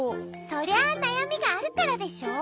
そりゃあなやみがあるからでしょ？